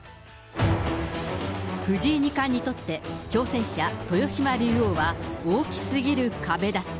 藤井二冠にとって、挑戦者、豊島竜王は、大きすぎる壁だった。